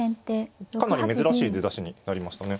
かなり珍しい出だしになりましたね。